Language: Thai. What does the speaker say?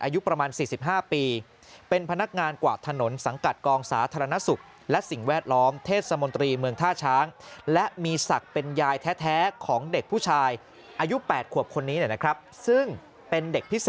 อายุประมาณ๔๕ปี